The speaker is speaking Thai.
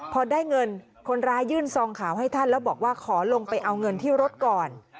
พอได้เงินคนร้ายยื่นซองขาวให้ท่านแล้วบอกว่าขอลงไปเอาเงินที่รถก่อน